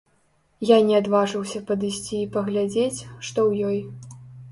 Я не адважыўся падысці і паглядзець, што ў ёй.